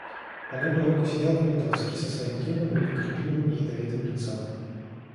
По левую руку сидел Неведовский со своим юным, непоколебимым и ядовитым лицом.